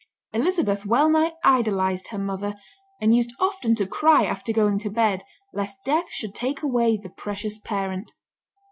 Elizabeth wellnigh idolized her mother, and used often to cry after going to bed, lest death should take away the precious parent.